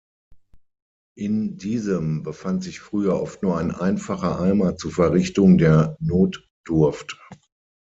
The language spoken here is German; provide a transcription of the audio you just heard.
In diesem befand sich früher oft nur ein einfacher Eimer zur Verrichtung der Notdurft.